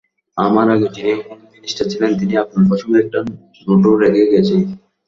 আমার আগে যিনি হোম মিনিস্টার ছিলেন তিনি আপনার প্রসঙ্গে একটা নোটও রেখে গেছেন।